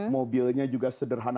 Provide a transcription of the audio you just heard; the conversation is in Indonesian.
mobilnya juga sederhana